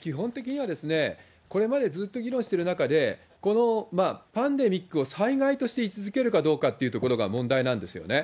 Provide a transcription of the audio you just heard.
基本的には、これまでずっと議論している中で、このパンデミックを災害として位置づけるかどうかというところが問題なんですよね。